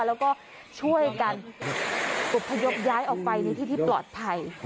แล้วก็ช่วยกันอบพยพย้ายออกไปในที่ที่ปลอดภัย